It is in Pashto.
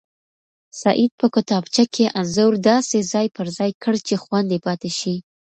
سعید په کتابچه کې انځور داسې ځای پر ځای کړ چې خوندي پاتې شي.